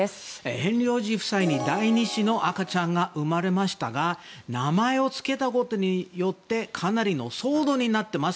ヘンリー王子夫妻に第２子の赤ちゃんが生まれましたが名前を付けたことによってかなりの騒動になっています。